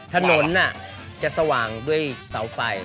ถนนจะสว่างด้วยเสาไฟ